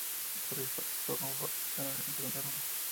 Solís partió como favorito a ganar en segunda ronda.